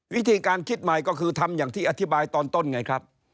วิธีการคิดใหม่ก็คือทำอย่างที่อธิบายตอนต้นไงครับ